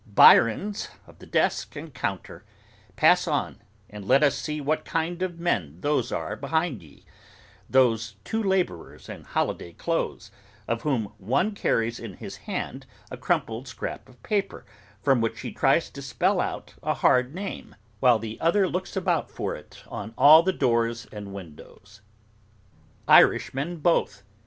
Byrons of the desk and counter, pass on, and let us see what kind of men those are behind ye: those two labourers in holiday clothes, of whom one carries in his hand a crumpled scrap of paper from which he tries to spell out a hard name, while the other looks about for it on all the doors and windows. Irishmen both!